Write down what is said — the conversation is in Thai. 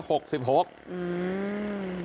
อืม